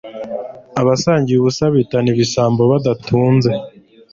Abasangiye ubusa bitana ibisambo badatunze